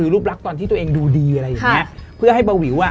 รูปรักตอนที่ตัวเองดูดีอะไรอย่างเนี่ย